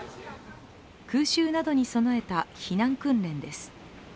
空襲などに備えた避難訓練です。